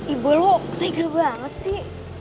ibu lo tega banget sih